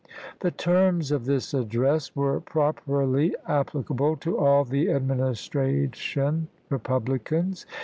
The terms of this address were properly applicable to all the Administration Republicans.